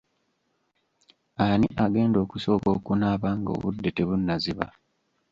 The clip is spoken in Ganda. Ani agenda okusooka okunaaba nga obudde tebunaziba.